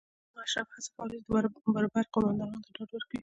د روم اشرافو هڅې کولې چې بربر قومندانانو ته ډاډ ورکړي.